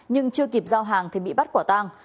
nhưng chưa kịp giao hàng thì bị bắt quả tang